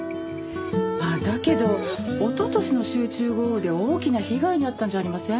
あっだけどおととしの集中豪雨で大きな被害に遭ったんじゃありません？